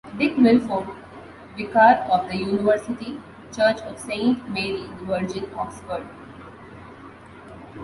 Dick Milford, vicar of the University Church of Saint Mary the Virgin, Oxford.